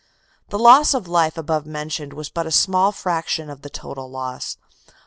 The loss of life above mentioned was but a small fraction of the total loss.